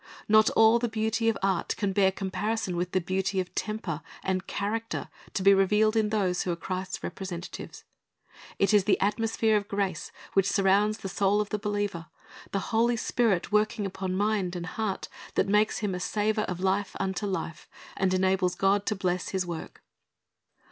Not all the beauty of art can bear comparison with the beauty of temper and character to be revealed in those who are Christ's representatives. It is the atmosphere of grace which surrounds the soul of the believer, the Holy Spirit working upon mind and heart, that makes him a savor of life unto life, and enables God to bless his work.